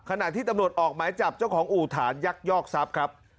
ขณะที่ตำรวจออกหมายจับเจ้าของอู่ฐานยักยอกทรัพย์ครับ